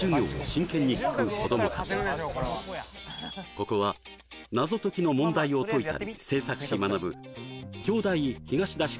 ここは謎解きの問題を解いたり制作し学ぶ京大東田式